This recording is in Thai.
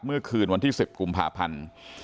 เมื่อคืนวันที่๑๐กุมภาพันธ์